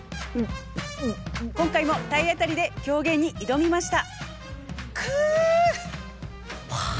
今回も体当たりで狂言に挑みました。